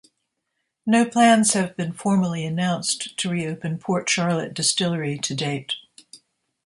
No plans have been formally announced to reopen Port Charlotte Distillery to date.